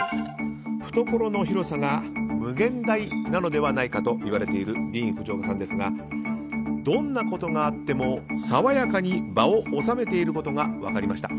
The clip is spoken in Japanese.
懐の広さが無限大なのではないかと言われているディーン・フジオカさんですがどんなことがあっても爽やかに場を収めていることが分かりました。